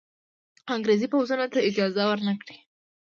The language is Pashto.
انګرېزي پوځونو ته اجازه ورنه کړه.